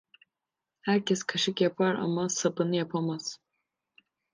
Herkes kaşık yapar ama sapını yapamaz.